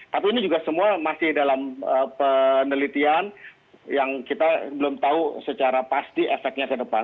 tapi ini juga semua masih dalam penelitian yang kita belum tahu secara pasti efeknya ke depan